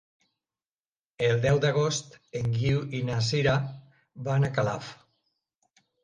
El deu d'agost en Guiu i na Sira van a Calaf.